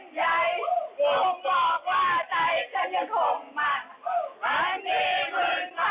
ถ้าจิ๊มถลายหัวใจกำลังเหลือง